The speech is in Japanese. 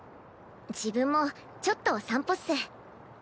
自分もちょっと散歩っす。